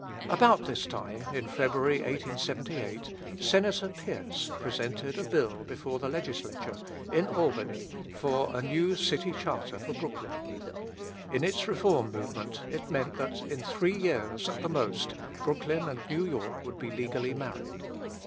About this time, in February, 1878, Senator Pierce presented a Bill before the Legislature in Albany for a new city charter for Brooklyn. In its reform movement it meant that in three years at the most Brooklyn and New York would be legally married.